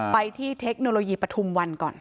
ไปที่เทคโนโลยีปฐุมวันก่อน